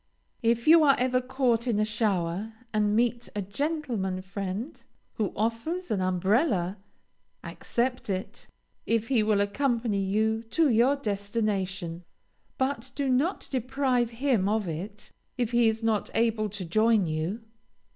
If you are ever caught in a shower, and meet a gentleman friend who offers an umbrella, accept it, if he will accompany you to your destination; but do not deprive him of it, if he is not able to join you.